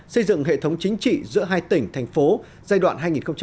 xây dựng hệ thống chính trị giữa hai tỉnh thành phố giai đoạn hai nghìn một mươi sáu hai nghìn hai mươi